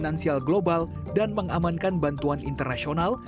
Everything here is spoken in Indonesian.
finansial global dan mengamankan bantuan internasional